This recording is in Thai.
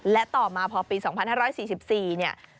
และต่อมาพอปี๒๕๔๔เนี่ย